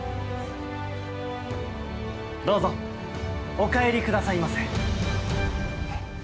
どうぞ、お帰りくださいませ。